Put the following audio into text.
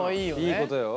いいことよ。